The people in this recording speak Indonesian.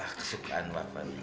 aduh wah kesukaan bapak